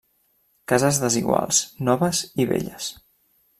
Cases desiguals, noves i velles.